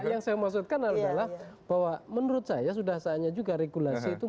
yang saya maksudkan adalah bahwa menurut saya sudah saatnya juga regulasi itu